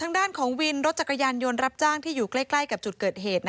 ทางด้านของวินรถจักรยานยนต์รับจ้างที่อยู่ใกล้กับจุดเกิดเหตุ